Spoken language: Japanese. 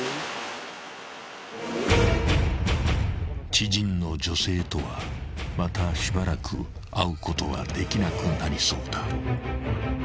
［知人の女性とはまたしばらく会うことはできなくなりそうだ］